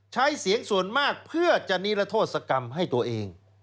ใช้เสียงส่วนมากเพื่อจะนิรโทษกรรมให้ตัวเอง